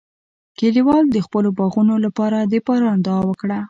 کلیوال د خپلو باغونو لپاره د باران دعا وکړه.